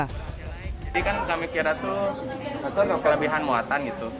jadi kan kami kira itu kelebihan muatan gitu